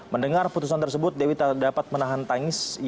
mendengar putusan tersebut dewi terdapat menahan tanggungjawab